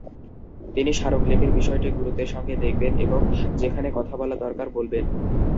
তিনি স্মারকলিপির বিষয়টি গুরুত্বের সঙ্গে দেখবেন এবং যেখানে কথা বলা দরকার বলবেন।